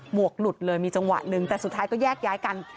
วกหลุดเลยมีจังหวะหนึ่งแต่สุดท้ายก็แยกย้ายกัน